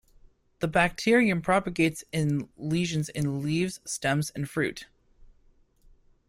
The bacterium propagates in lesions in leaves, stems, and fruit.